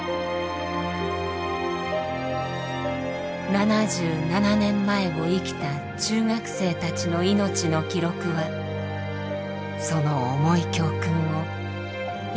７７年前を生きた中学生たちの命の記録はその重い教訓を今の時代に突きつけています。